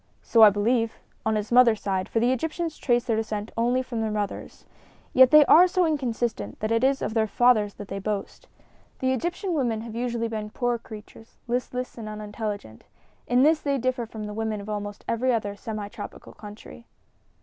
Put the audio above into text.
"So I believe on his mother's side, for the Egyptians trace their descent only from their mothers. Yet they are so inconsistent that it is of their fathers they boast. The Egyptian women have usually been poor creatures, listless and unintelligent. In this they differ from the women of almost every other semi tropical country."